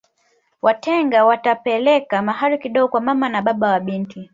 Watenga watapeleka mahari kidogo kwa mama na baba wa binti